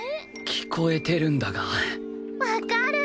聞こえてるんだがわかる！